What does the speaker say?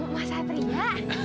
mas satri ya